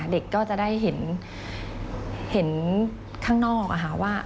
เด็กก็จะได้เห็นข้างนอกว่า